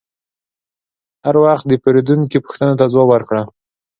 هر وخت د پیرودونکي پوښتنو ته ځواب ورکړه.